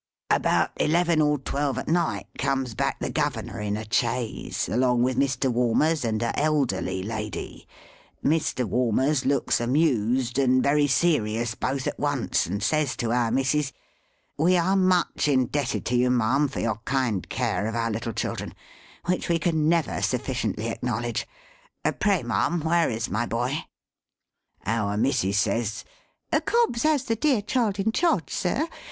About eleven or twelve at night comes back the Governor in a chaise, along with Mr. Walmers and a elderly lady. Mr. Walmers looks amused and very serious, both at once, and says to our missis, "We are much indebted to you, ma'am, for your kind care of our little children, which we can never sufficiently acknowledge. Pray, ma'am, where is my boy?" Our missis says, "Cobbs has the dear child in charge, sir.